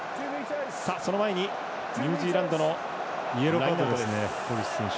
その前にニュージーランドにイエローカードです。